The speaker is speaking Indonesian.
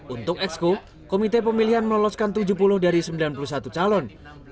untuk exco komite pemilihan meloloskan tujuh puluh dari sembilan puluh satu calon